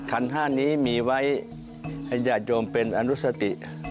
คันห้านี้มีไว้ให้ญาติโยมเป็นอนุสติ